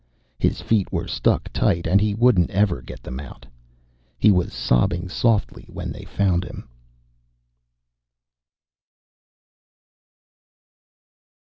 His feet were stuck tight, and he wouldn't ever get them out. He was sobbing softly when they found him.